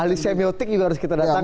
alisemiotik juga harus kita datangkan